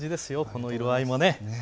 この色合いもね。